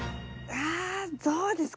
あどうですかね。